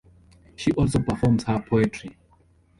She also performs her poetry.